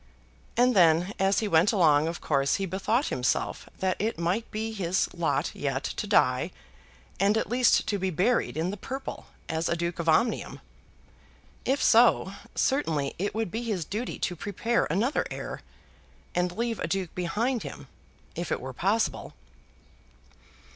And then as he went along of course he bethought himself that it might be his lot yet to die, and at least to be buried, in the purple, as a Duke of Omnium. If so, certainly it would be his duty to prepare another heir, and leave a duke behind him, if it were possible.